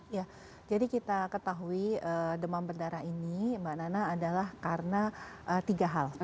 ya jadi kita ketahui demam berdarah ini mbak nana adalah karena tiga hal